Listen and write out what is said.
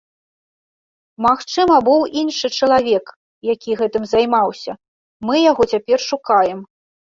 Магчыма, быў іншы чалавек, які гэтым займаўся, мы яго цяпер шукаем.